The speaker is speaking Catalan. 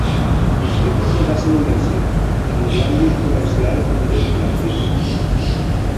L'espectacle va ser un èxit, tant en l'àmbit comercial com de la crítica.